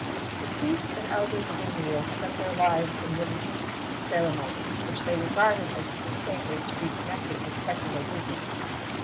The priests and elders of Israel spent their lives in relig ious ceremonies, which they regarded as too sacred to be connected with secular business.